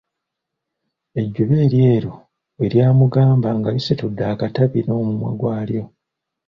Ejjuba eryeeru bwe lyamugamba, nga lisitudde akatabi n'omumwa gw'alyo.